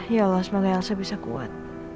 ya allah semoga elsa bisa kuat